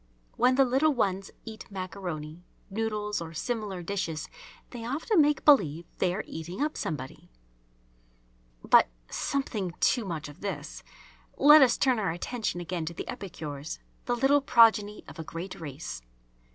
When the little ones eat maccaroni, noodles, or similar dishes, they often make believe they are eating up somebody. But, "something too much of this." Let us turn our attention again to the epicures, the little progeny of a great race.